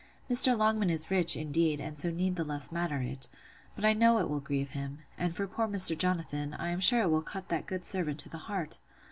—Mr. Longman is rich, indeed, and so need the less matter it; but I know it will grieve him: and for poor Mr. Jonathan, I am sure it will cut that good old servant to the heart.